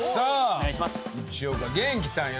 お願いします。